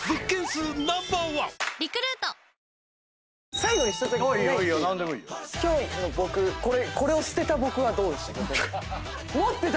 最後に１つ今日の僕これを捨てた僕はどうでした？